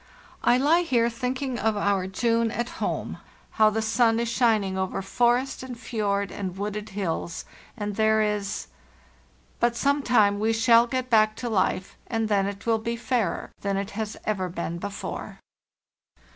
I lie here thinking of our June at home—how the sun is shining over forest and fjord and wooded hills, and there 260 FARTHEST NORTH . is — But some time we shall get back to life, and then it will be fairer than it has ever been before.